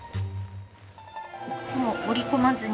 もう折り込まずに？